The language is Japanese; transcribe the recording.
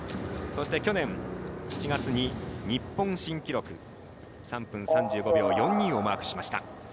そして去年、７月に日本新記録、３分３５秒４２をマークしました。